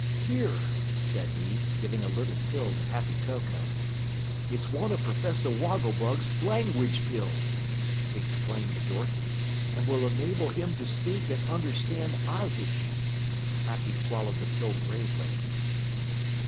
"Here!" said he, giving a little pill to Happy Toko. "It's one of Professor Wogglebug's language pills," he exclaimed to Dorothy, "and will enable him to speak and understand Ozish." Happy swallowed the pill gravely.